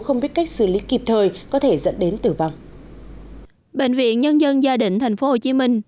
không biết cách xử lý kịp thời có thể dẫn đến tử vong bệnh viện nhân dân gia đình tp hcm